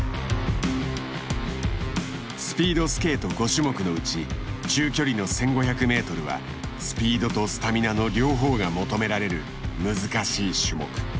スピードスケート５種目のうち中距離の１５００ｍはスピードとスタミナの両方が求められる難しい種目。